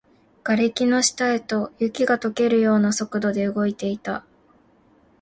瓦礫の下へと、雪が溶けるような速度で動いていた